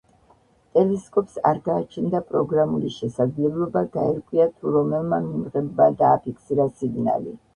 ტელესკოპს არ გააჩნდა პროგრამული შესაძლებლობა გაერკვია, თუ რომელმა მიმღებმა დააფიქსირა სიგნალი.